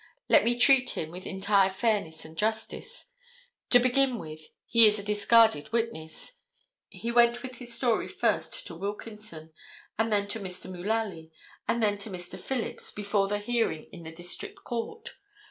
Let me treat him with entire fairness and justice. To begin with, he is a discarded witness. He went with his story first to Wilkinson and then to Mr. Mullaly and then to Mr. Phillips before the hearing in the district court.